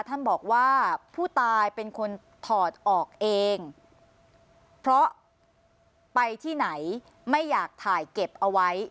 ท่านบอกว่าผู้ตายเป็นคนถอดออกเองเพราะไปที่ไหนไม่อยากถ่ายเก็บเอาไว้